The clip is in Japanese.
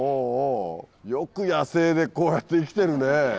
よく野生でこうやって生きてるね。